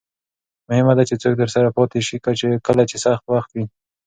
مهمه ده چې څوک درسره پاتې شي کله چې سخت وخت وي.